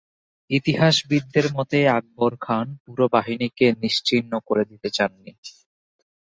ইতিহাসবিদদের মতে আকবর খান পুরো বাহিনীকে নিশ্চিহ্ন করে দিতে চাননি।